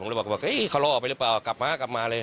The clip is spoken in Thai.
พวกเราบอกว่าเอ๊ะเขาเล่าออกไปหรือเปล่ากลับมากลับมาเลย